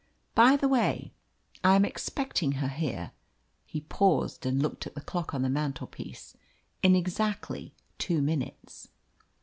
By the way, I am expecting her here" (he paused, and looked at the clock on the mantelpiece) "in exactly two minutes."